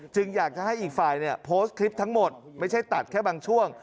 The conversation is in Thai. อยากจะให้อีกฝ่ายโพสต์คลิปทั้งหมดไม่ใช่ตัดแค่บางช่วง